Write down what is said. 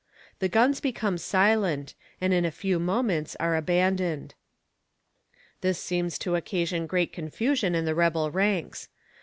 The guns become silent, and in a few moments are abandoned. This seems to occasion great confusion in the rebel ranks.